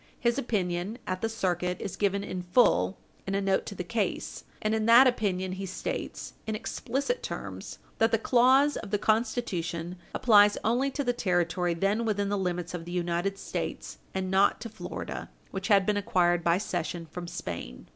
His opinion at the circuit is given in full in a note to the case, and in that opinion he states, in explicit terms, that the clause of the Constitution applies only to the territory then within the limits of the United States, and not to Florida, which had been acquired by cession from Spain.